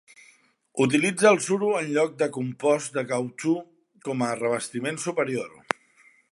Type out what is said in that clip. Utilitza el suro en lloc de compost de cautxú com a revestiment superior.